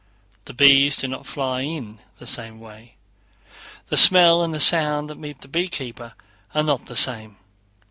The bees do not fly in the same way, the smell and the sound that meet the beekeeper are not the same.